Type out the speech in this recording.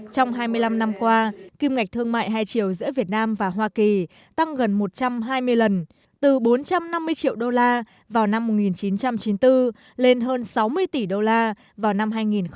trong hai mươi năm năm qua kim ngạch thương mại hai triệu giữa việt nam và hoa kỳ tăng gần một trăm hai mươi lần từ bốn trăm năm mươi triệu đô la vào năm một nghìn chín trăm chín mươi bốn lên hơn sáu mươi tỷ đô la vào năm hai nghìn một mươi năm